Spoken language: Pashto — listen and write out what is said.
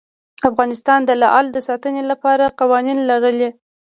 افغانستان د لعل د ساتنې لپاره قوانین لري.